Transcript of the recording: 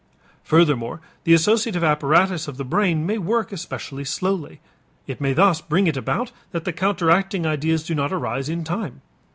Furthermore the associative apparatus of the brain may work especially slowly; it may thus bring it about that the counteracting ideas do not arise in time.